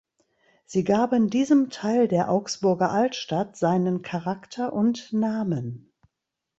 Sie gaben diesem Teil der Augsburger Altstadt seinen Charakter und Namen.